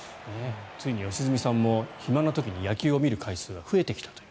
ついに良純さんも暇な時に野球を見る回数が増えてきたという。